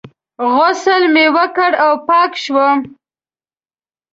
غسل مې وکړ او پاک شوم.